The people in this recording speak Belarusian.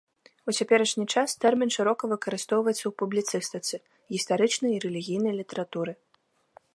У цяперашні час тэрмін шырока выкарыстоўваецца ў публіцыстыцы, гістарычнай і рэлігійнай літаратуры.